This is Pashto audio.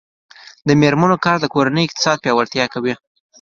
د میرمنو کار د کورنۍ اقتصاد پیاوړتیا کوي.